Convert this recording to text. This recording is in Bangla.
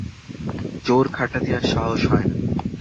জোর খাটাতে আর সাহস হয় না।